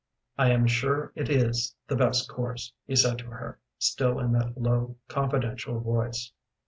"I am sure it is the best course," he said to her, still in that low, confidential voice.